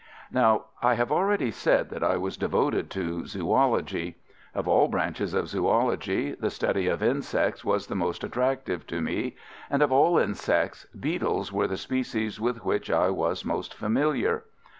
Now, I have already said that I was devoted to zoology. Of all branches of zoology, the study of insects was the most attractive to me, and of all insects beetles were the species with which I was most familiar.